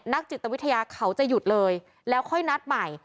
จิตวิทยาเขาจะหยุดเลยแล้วค่อยนัดใหม่